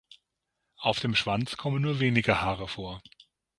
Auf dem Schwanz kommen nur wenige Haare vor.